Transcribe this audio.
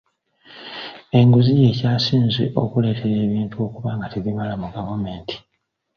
Enguzi y'ekyasinze okuleetera ebintu okuba nga tebimala mu gavumenti.